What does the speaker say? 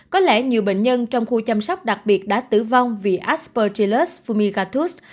có lẽ nhiều bệnh nhân trong khu chăm sóc đặc biệt đã tử vong vì aspergillus fumigatus